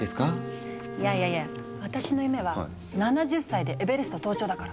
いやいやいや私の夢は７０歳でエベレスト登頂だから。